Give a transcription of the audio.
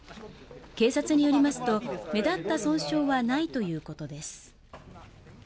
警察によりますと目立った損傷はないということです。